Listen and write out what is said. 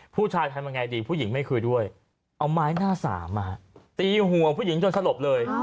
ผู้ชายทำยังไงดีผู้หญิงไม่เคยด้วยเอาไม้หน้าสามตีหัวผู้หญิงจนสลบเลย